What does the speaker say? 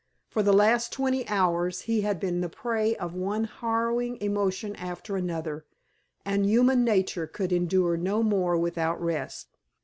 For the last twenty hours he had been the prey of one harrowing emotion after another, and human nature could endure no more without rest.